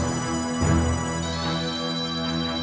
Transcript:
terima kasih udah ada tiga puluh sat kesenguatan